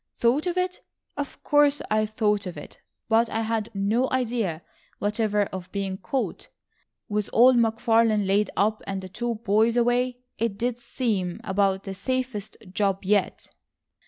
"Thought of it! Of course I thought of it. But I had no idea whatever of being caught, with old McFarlane laid up and the two boys away, it did seem about the safest job yet."